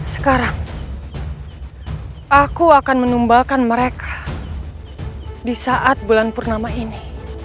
sekarang aku akan menumbalkan mereka di saat bulan purnama ini